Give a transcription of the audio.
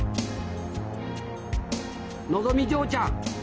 のぞみ嬢ちゃん！